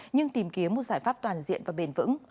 nhưng tìm kiếm một giải pháp toàn diện và bền vững